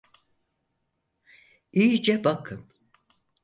İyice bakın.